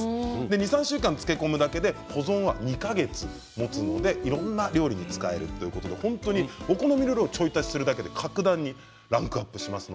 ２、３週間、漬け込むだけで保存は２か月もつのでいろんな料理に使えるということで本当にお好みで、ちょい足しするだけで各段にランクアップします。